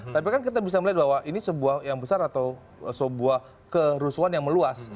tapi kan kita bisa melihat bahwa ini sebuah yang besar atau sebuah kerusuhan yang meluas